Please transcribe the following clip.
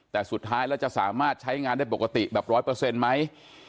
แต่สุดท้ายแล้วจะสามารถใช้งานได้ปกติแบบร้อยเปอร์เซ็นต์ไหม